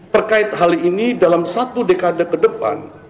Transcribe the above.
terkait hal ini dalam satu dekade ke depan